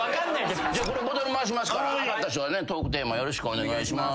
これボトル回しますから当たった人はトークテーマよろしくお願いします。